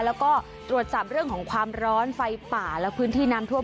แล้วก็ตรวจสอบเรื่องของความร้อนไฟป่าและพื้นที่น้ำท่วม